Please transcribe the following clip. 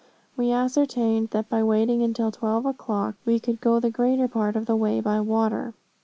We ascertained that by waiting until twelve o'clock, we could go the greater part of the way by water.